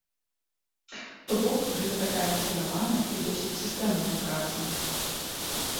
То бок, гэта такая накіраваная і досыць сістэмная праца.